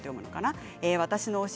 私の推し